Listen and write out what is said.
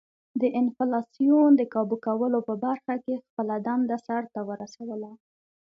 د انفلاسیون د کابو کولو په برخه کې خپله دنده سر ته ورسوله.